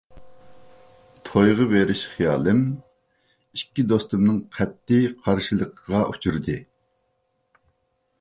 تويغا بېرىش خىيالىم ئىككى دوستۇمنىڭ قەتئىي قارشىلىقىغا ئۇچرىدى.